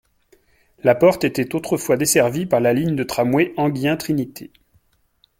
La porte était autrefois desservie par la ligne de tramway Enghien - Trinité.